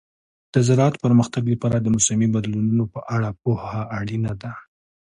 د زراعت پرمختګ لپاره د موسمي بدلونونو په اړه پوهه اړینه ده.